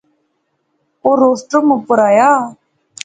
او روسٹرم اپر آیا